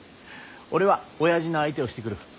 俺はおやじの相手をしてくる。